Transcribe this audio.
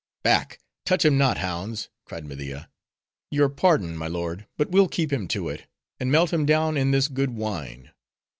"Back! touch him not, hounds!"—cried Media. "Your pardon, my lord, but we'll keep him to it; and melt him down in this good wine.